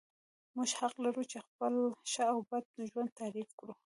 موږ حق لرو چې خپل ښه او بد ژوند تعریف کړو.